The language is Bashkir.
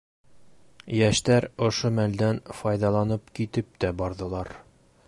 Йәштәр ошо мәлдән файҙаланып китеп тә барҙылар.